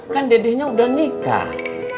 kan dedeknya sudah nikah